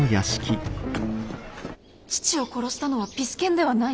父を殺したのはピス健ではない？